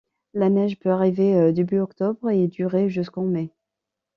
La neige peut arriver début octobre et durer jusqu'en mai.